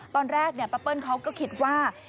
ตอนแรกป้าเปิ้ลเขาก็คิดว่า